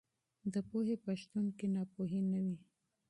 د پوهې په شتون کې ناپوهي نه وي.